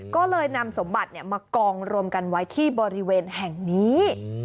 ก็เลยนำสมบัติมากองรวมกันไว้ที่บริเวณแห่งนี้